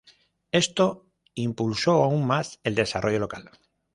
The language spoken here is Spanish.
Esto impulsó aún más el desarrollo local.